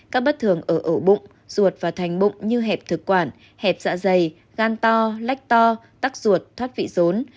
các bất thường ở ổ bụng ruột và thành bụng như hẹp thực quản hẹp dạ dày gan to lách to tắc ruột thoát vị rốn